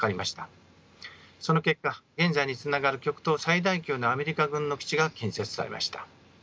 その結果現在につながる極東最大級のアメリカ軍の基地が建設されました。